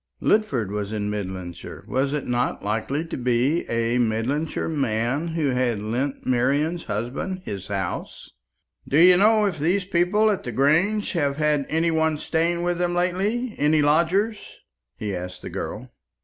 Lidford was in Midlandshire. Was it not likely to be a Midlandshire man who had lent Marian's husband his house? "Do you know if these people at the Grange have had any one staying with them lately any lodgers?" he asked the girl.